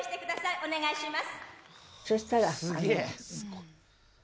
お願いします。